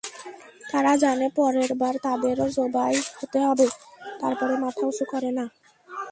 তারা জানে পরের বার তাদেরও জবাই হতে হবে, তারপরেও মাথা উঁচু করে না।